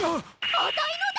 あたいのだ！